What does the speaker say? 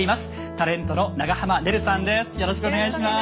タレントの長濱ねるさんです。